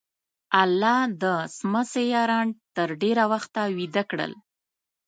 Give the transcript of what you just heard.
الله د څمڅې یاران تر ډېره وخته ویده کړل.